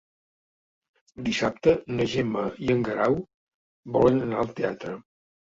Dissabte na Gemma i en Guerau volen anar al teatre.